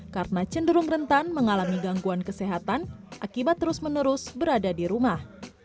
karena cenderung rentan mengalami gangguan kesehatan akibat terus menerus berada di rumah